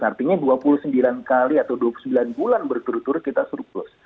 artinya dua puluh sembilan kali atau dua puluh sembilan bulan berturut turut kita surplus